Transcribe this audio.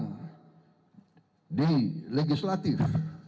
kita bisa berjuang di legislatif